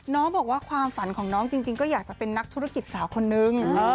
น้องบอกว่าความฝันของน้องจริงก็อยากจะเป็นนักธุรกิจสาวคนนึง